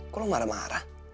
kok lo marah marah